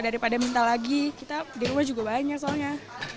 daripada minta lagi kita di rumah juga banyak soalnya